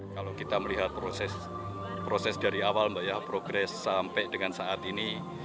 kalau kita melihat proses dari awal mbak ya progres sampai dengan saat ini